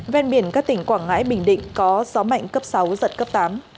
ven biển các tỉnh quảng ngãi bình định có gió mạnh cấp sáu giật cấp tám